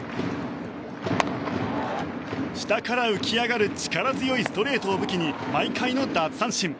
下から浮き上がる力強いストレートを武器に毎回の奪三振。